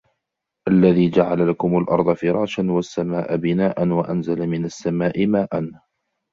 الَّذِي جَعَلَ لَكُمُ الْأَرْضَ فِرَاشًا وَالسَّمَاءَ بِنَاءً وَأَنْزَلَ مِنَ السَّمَاءِ مَاءً